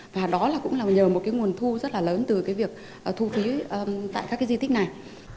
và đó là cũng là nhờ một cái nguồn thu rất là lớn từ cái việc thu phí tại các cái di tích này